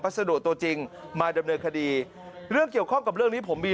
สะดวกตัวจริงมาดำเนินคดีเรื่องเกี่ยวข้องกับเรื่องนี้ผมมี